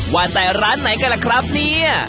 ว่าแต่ร้านไหนกันล่ะครับเนี่ย